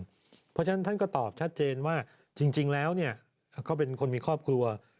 เพราะฉะนั้นท่านก็ตอบชัดเจนว่าจริงแล้วก็เป็นคนมีครอบครัว